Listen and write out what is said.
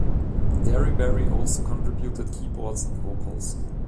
Derryberry also contributed keyboards and vocals.